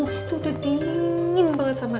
ibu kenapa sih sekarang jadi sering berantem sama bapak